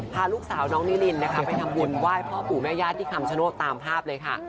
พาลูกสาวน้องนิรินนะคะไปทำบุญไหว้พ่อปู่แม่ญาติที่คำชโนธตามภาพเลยค่ะ